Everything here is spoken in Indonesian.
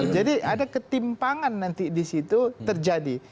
jadi ada ketimpangan nanti di situ terjadi